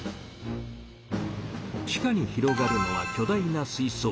地下に広がるのは巨大な水槽。